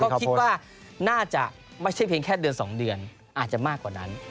ก็คิดว่าน่าจะไม่ใช่เพียงแค่เดือน๒เดือนอาจจะมากกว่านั้น